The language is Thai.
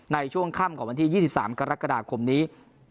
ในช่วงค่ำของวันที่๒๓กรกฎาคมนี้